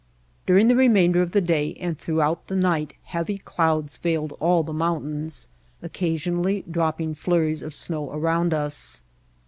During the remainder of the day and throughout the night heavy clouds veiled all the mountains, occasionally dropping flurries of snow around us.